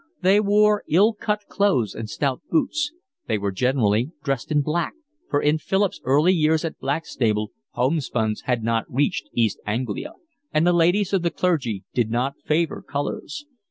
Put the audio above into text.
They wore ill cut clothes and stout boots. They were generally dressed in black, for in Philip's early years at Blackstable homespuns had not reached East Anglia, and the ladies of the clergy did not favour colours.